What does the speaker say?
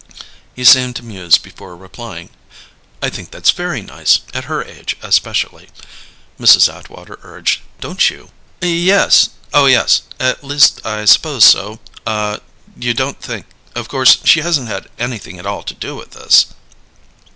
He seemed to muse before replying. "I think that's very nice, at her age especially," Mrs. Atwater urged. "Don't you?" "Ye es! Oh, yes! At least I suppose so. Ah you don't think of course she hasn't had anything at all to do with this?"